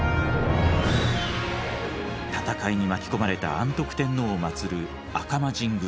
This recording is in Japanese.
戦いに巻き込まれた安徳天皇を祭る赤間神宮。